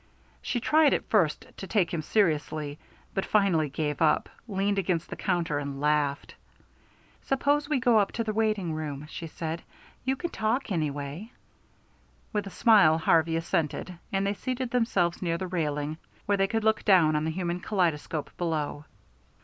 She tried at first to take him seriously, but finally gave up, leaned against the counter and laughed. "Suppose we go up to the waiting room," she said. "You can talk, anyway." With a smile Harvey assented, and they seated themselves near the railing, where they could look down on the human kaleidoscope below.